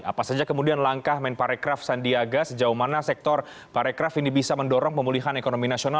apa saja kemudian langkah men parekraf sandiaga sejauh mana sektor parekraf ini bisa mendorong pemulihan ekonomi nasional